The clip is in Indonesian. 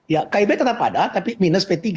ya kib tetap ada tapi minus p tiga